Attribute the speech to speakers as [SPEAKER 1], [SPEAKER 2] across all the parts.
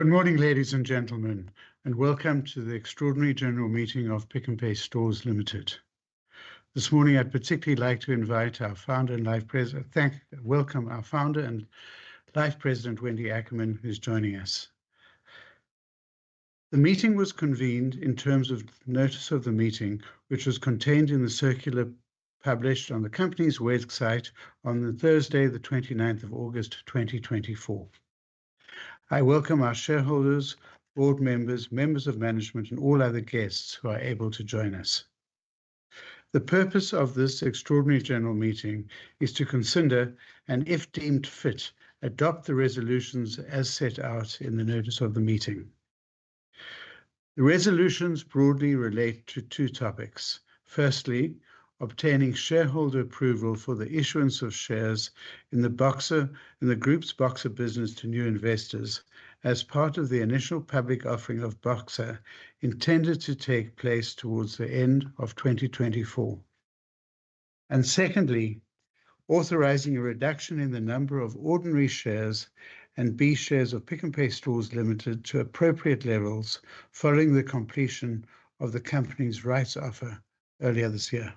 [SPEAKER 1] Good morning, ladies and gentlemen, and welcome to the extraordinary general meeting of Pick n Pay Stores Limited. This morning, I'd particularly like to welcome our founder and life president, Wendy Ackerman, who's joining us. The meeting was convened in terms of the notice of the meeting, which was contained in the circular published on the company's website on Thursday, the August 19th, 2024. I welcome our shareholders, board members, members of management, and all other guests who are able to join us. The purpose of this extraordinary general meeting is to consider and, if deemed fit, adopt the resolutions as set out in the notice of the meeting. The resolutions broadly relate to two topics: firstly, obtaining shareholder approval for the issuance of shares in the Boxer, in the group's Boxer business to new investors as part of the initial public offering of Boxer, intended to take place towards the end of 2024, and secondly, authorizing a reduction in the number of ordinary shares and B shares of Pick n Pay Stores Limited to appropriate levels following the completion of the company's rights offer earlier this year.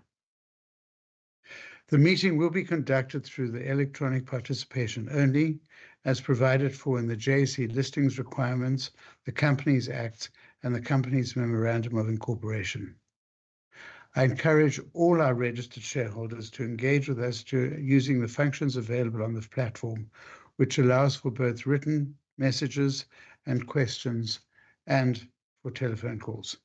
[SPEAKER 1] The meeting will be conducted through the electronic participation only, as provided for in the JSE listings requirements, the Companies Act, and the company's Memorandum of Incorporation. I encourage all our registered shareholders to engage with us using the functions available on this platform, which allows for both written messages and questions and for telephone calls.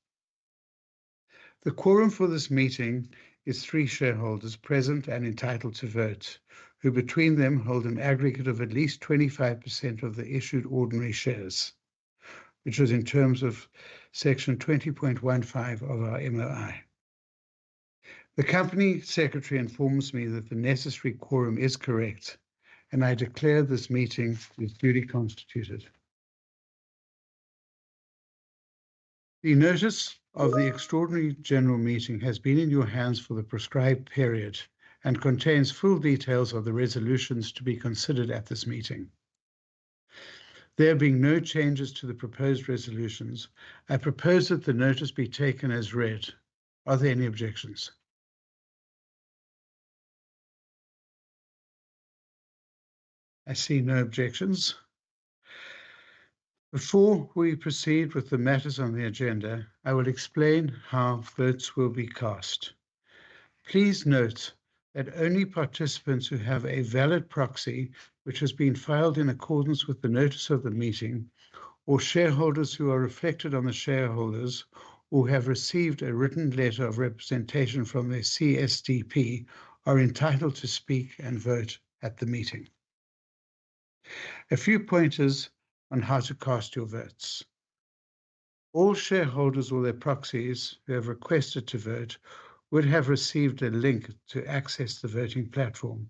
[SPEAKER 1] The quorum for this meeting is three shareholders present and entitled to vote, who, between them, hold an aggregate of at least 25% of the issued ordinary shares, which is in terms of Section 20.15 of our MOI. The company secretary informs me that the necessary quorum is correct, and I declare this meeting is duly constituted. The notice of the extraordinary general meeting has been in your hands for the prescribed period and contains full details of the resolutions to be considered at this meeting. There being no changes to the proposed resolutions, I propose that the notice be taken as read. Are there any objections? I see no objections. Before we proceed with the matters on the agenda, I will explain how votes will be cast. Please note that only participants who have a valid proxy, which has been filed in accordance with the notice of the meeting, or shareholders who are reflected on the shareholders who have received a written letter of representation from the CSDP, are entitled to speak and vote at the meeting. A few pointers on how to cast your votes. All shareholders or their proxies who have requested to vote would have received a link to access the voting platform,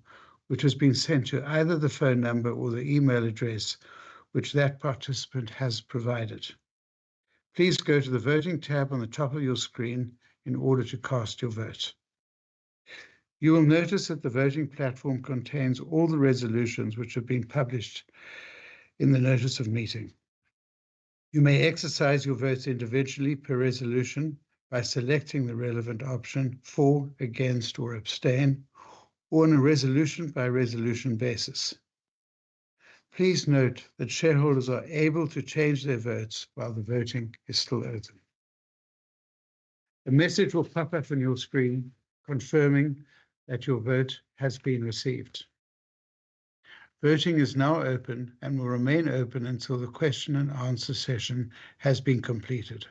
[SPEAKER 1] which has been sent to either the phone number or the email address which that participant has provided. Please go to the Voting tab on the top of your screen in order to cast your vote. You will notice that the voting platform contains all the resolutions which have been published in the notice of meeting. You may exercise your vote individually per resolution by selecting the relevant option, for, against, or abstain, on a resolution by resolution basis. Please note that shareholders are able to change their votes while the voting is still open. A message will pop up on your screen confirming that your vote has been received. Voting is now open and will remain open until the question and answer session has been completed.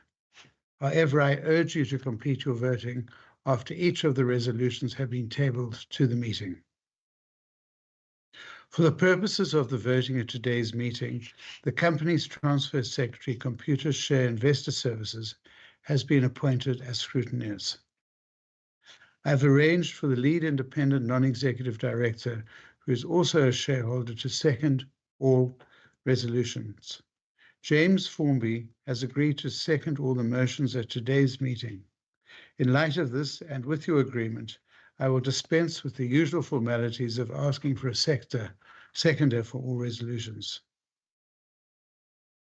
[SPEAKER 1] However, I urge you to complete your voting after each of the resolutions have been tabled to the meeting. For the purposes of the voting at today's meeting, the company's transfer secretary, Computershare Investor Services, has been appointed as scrutineers. I've arranged for the Lead Independent Non-Executive Director, who is also a shareholder, to 2nd all resolutions. James Formby has agreed to 2nd all the motions at today's meeting. In light of this, and with your agreement, I will dispense with the usual formalities of asking for a seconder for all resolutions.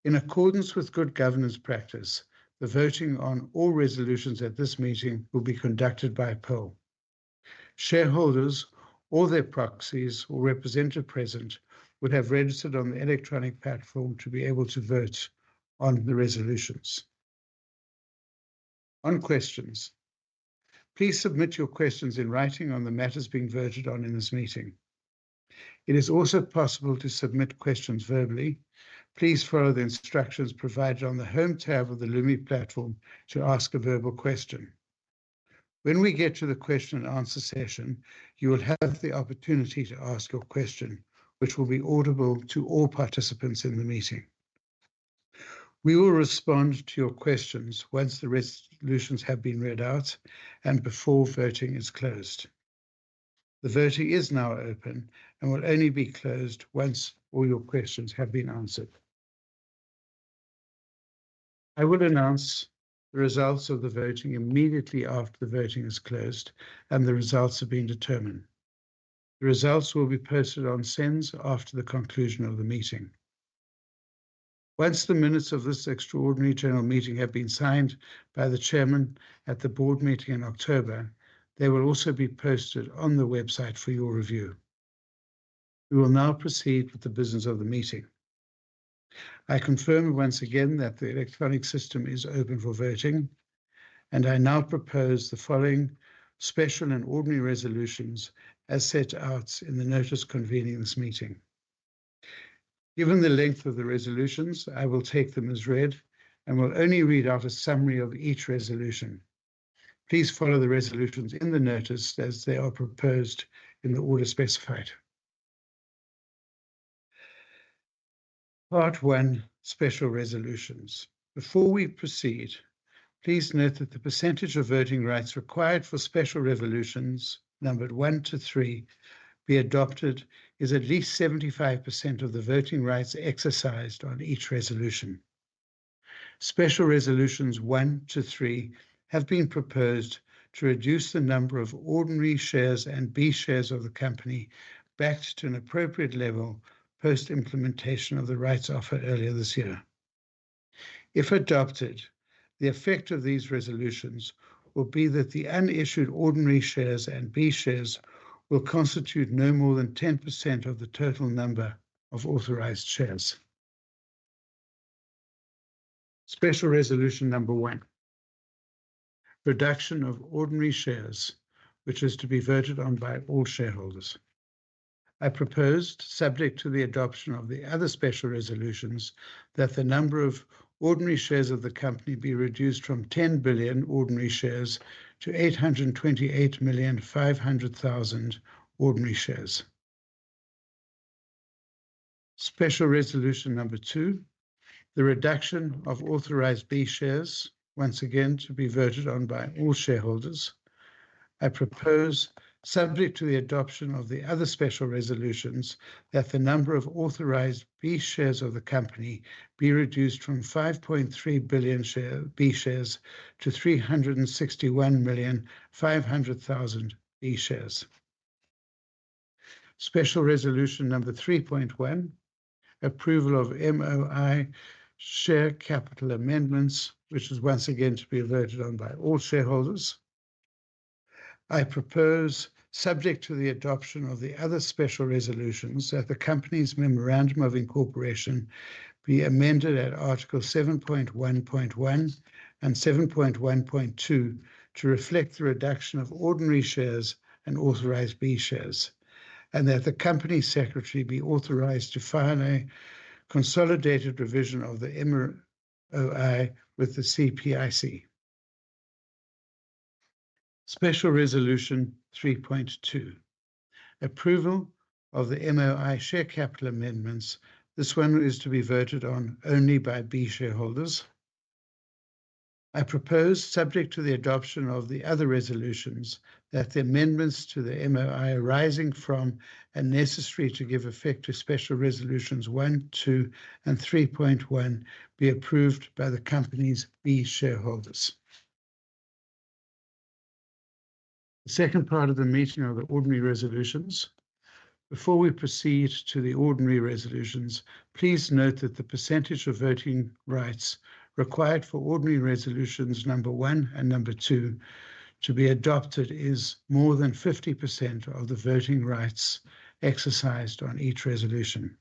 [SPEAKER 1] In accordance with good governance practice, the voting on all resolutions at this meeting will be conducted by poll. Shareholders or their proxies or representative present would have registered on the electronic platform to be able to vote on the resolutions. On questions. Please submit your questions in writing on the matters being voted on in this meeting. It is also possible to submit questions verbally. Please follow the instructions provided on the Home tab of the Lumi platform to ask a verbal question. When we get to the question and answer session, you will have the opportunity to ask your question, which will be audible to all participants in the meeting. We will respond to your questions once the resolutions have been read out and before voting is closed. The voting is now open and will only be closed once all your questions have been answered. I will announce the results of the voting immediately after the voting is closed and the results have been determined. The results will be posted on SENS after the conclusion of the meeting. Once the minutes of this extraordinary general meeting have been signed by the chairman at the board meeting in October, they will also be posted on the website for your review. We will now proceed with the business of the meeting. I confirm once again that the electronic system is open for voting, and I now propose the following special and ordinary resolutions as set out in the notice convening this meeting. Given the length of the resolutions, I will take them as read and will only read out a summary of each resolution. Please follow the resolutions in the notice as they are proposed in the order specified. Part one, Special Resolutions. Before we proceed, please note that the percentage of voting rights required for Special Resolutions 1 to 3, be adopted, is at least 75% of the voting rights exercised on each resolution. Special Resolutions 1 to 3 have been proposed to reduce the number of Ordinary Shares and B Shares of the company back to an appropriate level post-implementation of the Rights Offer earlier this year. If adopted, the effect of these resolutions will be that the unissued Ordinary Shares and B Shares will constitute no more than 10% of the total number of authorized shares. Special Resolution 1: reduction of Ordinary Shares, which is to be voted on by all shareholders. I proposed, subject to the adoption of the other Special Resolutions, that the number of Ordinary Shares of the company be reduced from ten billion Ordinary Shares to 828,500,000 Ordinary Shares. Special resolution 2: the reduction of authorized B Shares, once again, to be voted on by all shareholders. I propose, subject to the adoption of the other Special Resolutions, that the number of authorized B Shares of the company be reduced from five point three billion B Shares to three hundred and sixty-one million, five hundred thousand B Shares. Special Resolution 3.1: approval of MOI share capital amendments, which is once again to be voted on by all shareholders. I propose, subject to the adoption of the other Special Resolutions, that the company's memorandum of incorporation be amended at Article 7.1.1 and 7.1.2 to reflect the reduction of ordinary shares and authorized B shares, and that the company secretary be authorized to file a consolidated revision of the MOI with the CIPC. Special Resolution 3.2: approval of the MOI share capital amendments. This one is to be voted on only by B shareholders. I propose, subject to the adoption of the other resolutions, that the amendments to the MOI arising from and necessary to give effect to Special Resolutions 1, 2, and 3.1 be approved by the company's B shareholders. The 2nd part of the meeting are the Ordinary Resolutions. Before we proceed to the Ordinary Resolutions, please note that the percentage of voting rights required for Ordinary Resolutions 1 and 2 to be adopted is more than 50% of the voting rights exercised on each resolution.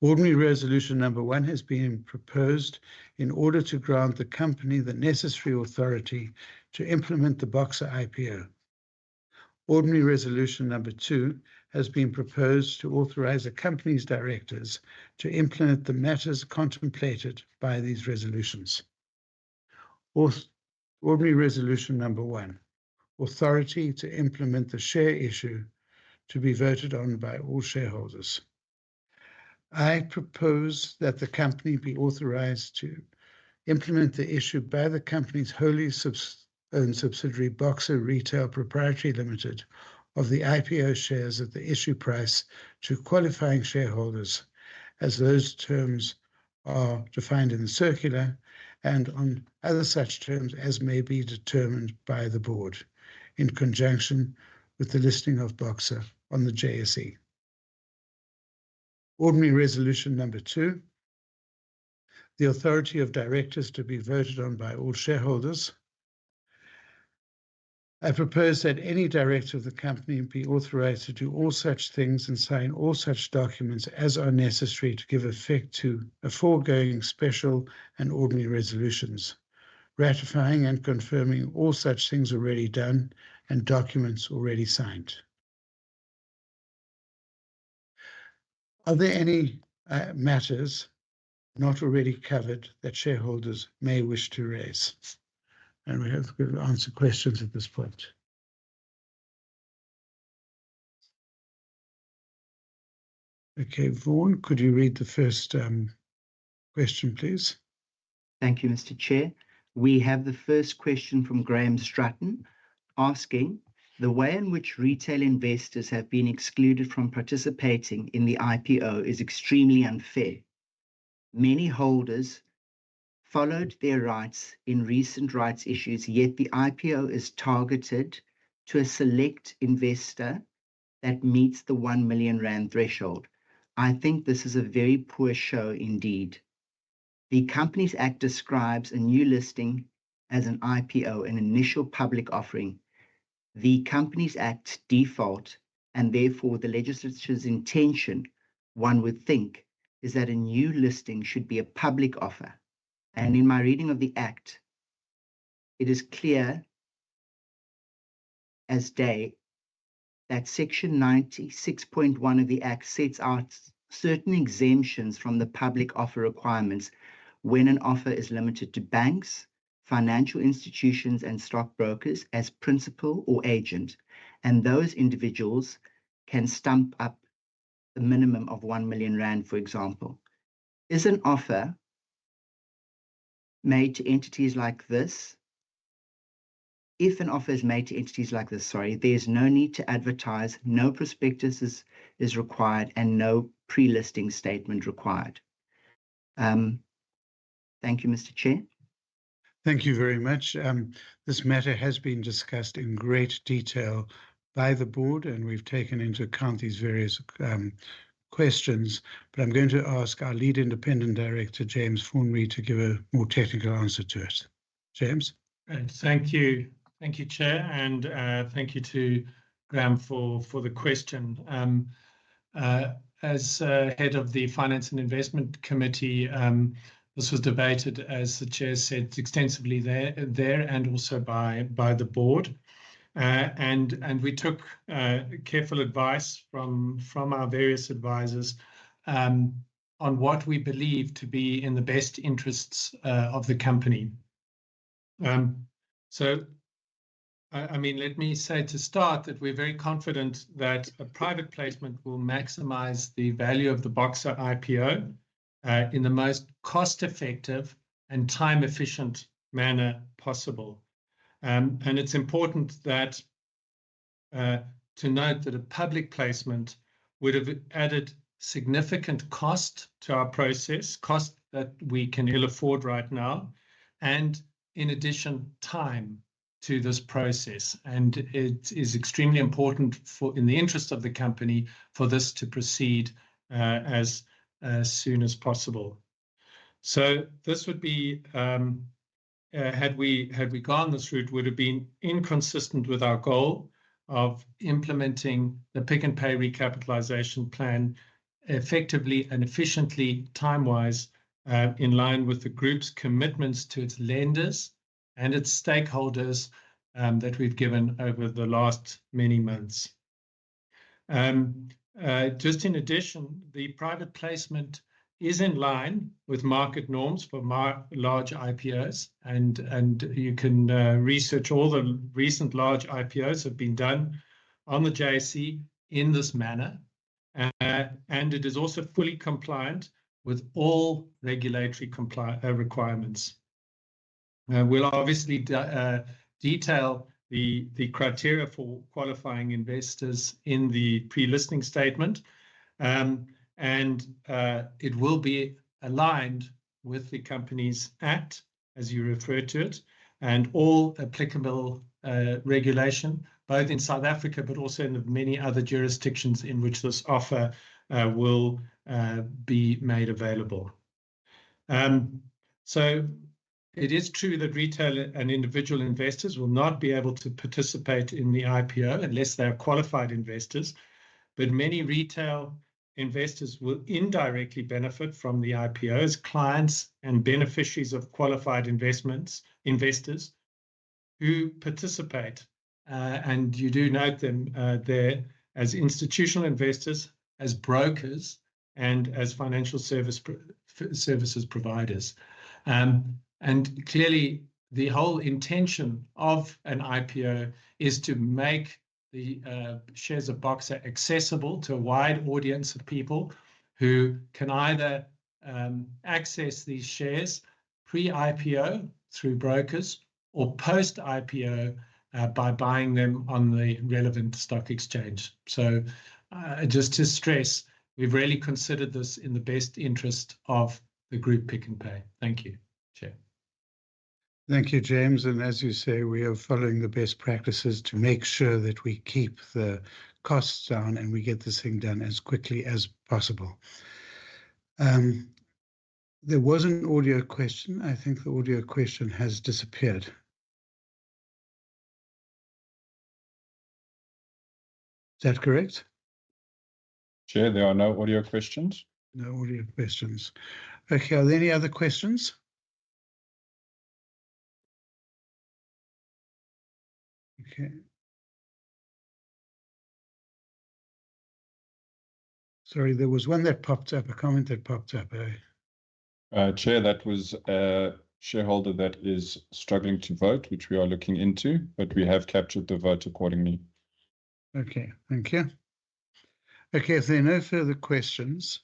[SPEAKER 1] Ordinary Resolution 1 has been proposed in order to grant the company the necessary authority to implement the Boxer IPO. Ordinary Resolution 2 has been proposed to authorize the company's directors to implement the matters contemplated by these resolutions. Ordinary Resolution 1: authority to implement the share issue to be voted on by all shareholders. I propose that the company be authorized to implement the issue by the company's wholly-owned subsidiary, Boxer Retail Proprietary Limited, of the IPO shares at the issue price to qualifying shareholders, as those terms are defined in the circular and on other such terms as may be determined by the board in conjunction with the listing of Boxer on the JSE. Ordinary Resolution 2: the authority of directors to be voted on by all shareholders. I propose that any director of the company be authorized to do all such things and sign all such documents as are necessary to give effect to the foregoing Special and Ordinary Resolutions, ratifying and confirming all such things already done and documents already signed. Are there any matters not already covered that shareholders may wish to raise, and we have to answer questions at this point? Okay, Vaughan, could you read the 1st question, please?...
[SPEAKER 2] Thank you, Mr. Chair. We have the 1st question from Graham Stratton, asking, "The way in which retail investors have been excluded from participating in the IPO is extremely unfair. Many holders followed their rights in recent rights issues, yet the IPO is targeted to a select investor that meets the one million rand threshold. I think this is a very poor show indeed." The Companies Act describes a new listing as an IPO, an initial public offering. The Companies Act default, and therefore the legislature's intention, one would think, is that a new listing should be a public offer. In my reading of the Act, it is clear as day that Section 96.1 of the Act sets out certain exemptions from the public offer requirements when an offer is limited to banks, financial institutions, and stockbrokers as principal or agent, and those individuals can stump up a minimum of R1 million, for example. Is an offer made to entities like this... If an offer is made to entities like this, sorry, there's no need to advertise, no prospectus is required, and no pre-listing statement required. Thank you, Mr. Chair.
[SPEAKER 1] Thank you very much. This matter has been discussed in great detail by the board, and we've taken into account these various questions, but I'm going to ask our Lead Independent Director, James Formby, to give a more technical answer to it. James?
[SPEAKER 3] Thank you. Thank you, Chair, and thank you to Graham for the question. As head of the Finance and Investment Committee, this was debated, as the chair said, extensively there and also by the board. We took careful advice from our various advisors on what we believe to be in the best interests of the company. I mean, let me say to start that we're very confident that a private placement will maximize the value of the Boxer IPO in the most cost-effective and time-efficient manner possible. It's important that to note that a public placement would have added significant cost to our process, cost that we can ill afford right now, and in addition, time to this process. It is extremely important for, in the interest of the company, for this to proceed as soon as possible. This would be had we gone this route, would have been inconsistent with our goal of implementing the Pick n Pay recapitalization plan effectively and efficiently, time-wise, in line with the group's commitments to its lenders and its stakeholders that we've given over the last many months. Just in addition, the private placement is in line with market norms for large IPOs, and you can research all the recent large IPOs have been done on the JSE in this manner. It is also fully compliant with all regulatory requirements. We'll obviously detail the criteria for qualifying investors in the pre-listing statement, and it will be aligned with the Companies Act, as you refer to it, and all applicable regulation, both in South Africa but also in the many other jurisdictions in which this offer will be made available. So it is true that retail and individual investors will not be able to participate in the IPO unless they are qualified investors. But many retail investors will indirectly benefit from the IPOs, clients and beneficiaries of qualified investments, investors who participate. And you do note them there as institutional investors, as brokers, and as financial services providers. And clearly, the whole intention of an IPO is to make the shares of Boxer accessible to a wide audience of people who can either access these shares pre-IPO through brokers, or post-IPO, by buying them on the relevant stock exchange. So, just to stress, we've really considered this in the best interest of the group, Pick n Pay. Thank you, Chair.
[SPEAKER 1] Thank you, James. And as you say, we are following the best practices to make sure that we keep the costs down, and we get this thing done as quickly as possible. There was an audio question. I think the audio question has disappeared. Is that correct? Chair, there are no audio questions. No audio questions. Okay, are there any other questions? Okay. Sorry, there was one that popped up, a comment that popped up. Chair, that was a shareholder that is struggling to vote, which we are looking into, but we have captured the vote accordingly. Okay, thank you. Okay, if there are no further questions,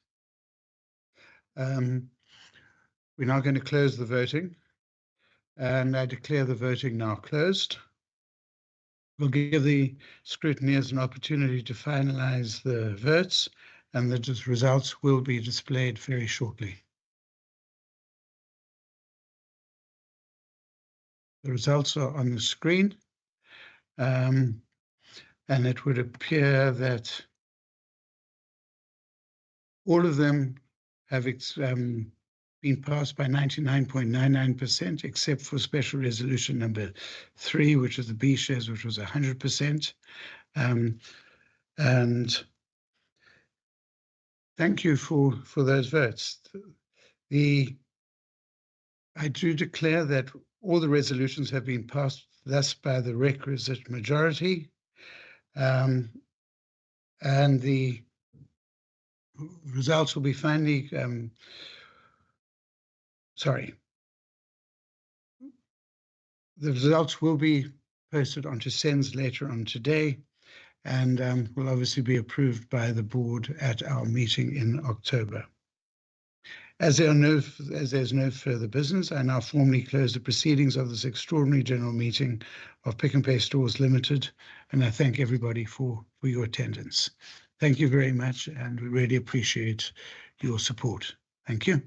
[SPEAKER 1] we're now gonna close the voting, and I declare the voting now closed. We'll give the scrutineers an opportunity to finalize the votes, and the results will be displayed very shortly. The results are on the screen, and it would appear that all of them have been passed by 99.99%, except for Special Resolution 3, which is the B Shares, which was 100%. And thank you for those votes. I do declare that all the resolutions have been passed, thus by the requisite majority, and the results will be posted onto SENS later on today and will obviously be approved by the board at our meeting in October. As there's no further business, I now formally close the proceedings of this extraordinary general meeting of Pick n Pay Stores Limited, and I thank everybody for your attendance. Thank you very much, and we really appreciate your support. Thank you.